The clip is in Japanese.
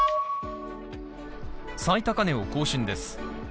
最高値を更新です。